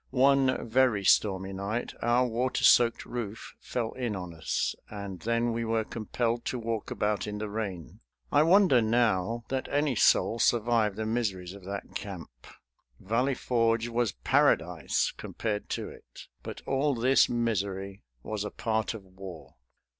One very stormy night our water soaked roof fell in on us, and then we were compelled to walk about in the rain. I wonder now that any soul survived the miseries of that camp. Valley Forge was paradise compared to it. But all this misery was a part of war.